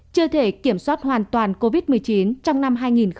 cơ thể kiểm soát hoàn toàn covid một mươi chín trong năm hai nghìn hai mươi hai